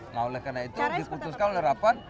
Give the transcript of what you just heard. nah oleh karena itu diputuskan oleh rapan